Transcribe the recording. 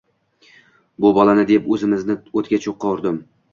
Bu bolani deb o`zimni o`ttga-cho`qqa urdim